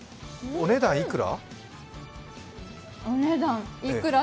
お値段いくら？